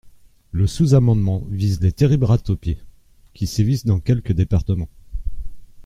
Le sous-amendement vise les terribles rats taupiers, qui sévissent dans quelques départements.